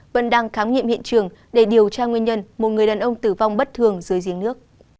vân đang khám nghiệm hiện trường để điều tra nguyên nhân một người đàn ông tử vong bất thường dưới giếng nước